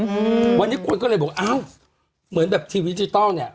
อืมวันนี้คนก็เลยบอกอ้าวเหมือนแบบทีวีดิจิทัลเนี้ย